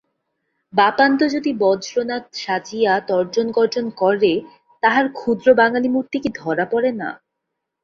বাপান্ত যদি বজ্রনাদ সাজিয়া তর্জনগর্জন করে, তাহার ক্ষুদ্র বাঙালিমূর্তি কি ধরা পড়ে না।